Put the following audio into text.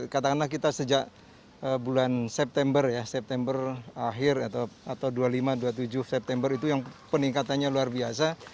katakanlah kita sejak bulan september ya september akhir atau dua puluh lima dua puluh tujuh september itu yang peningkatannya luar biasa